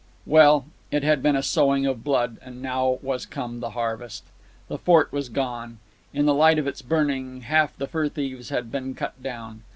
Well, it had been a sowing of blood, and now was come the harvest. The fort was gone. In the light of its burning, half the fur thieves had been cut down.